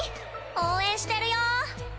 応援してるよ！